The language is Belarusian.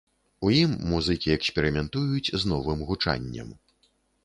У ім музыкі эксперыментуюць з новым гучаннем.